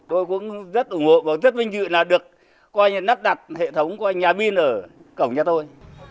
tôi cũng rất ủng hộ và rất vinh dự là được nắp đặt hệ thống của nhà pin ở cổng nhà tôi